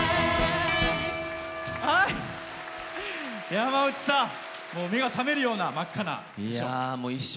山内さん目が覚めるような真っ赤な衣装。